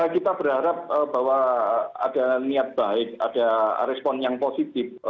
kita berharap bahwa ada niat baik ada respon yang positif